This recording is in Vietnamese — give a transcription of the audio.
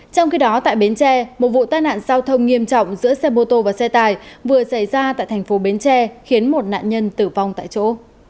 trong khi đó tại bến tre một vụ tai nạn giao thông nghiêm trọng giữa xe mô tô và xe tải vừa xảy ra tại thành phố bến tre khiến một nạn nhân tử vong tại chỗ